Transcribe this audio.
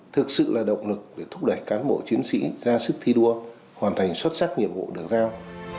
thực sự là động lực để thúc đẩy cán bộ chiến sĩ ra sức thi đua hoàn thành xuất sắc nhiệm vụ được giao